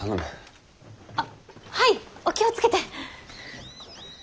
あっはいお気を付けて！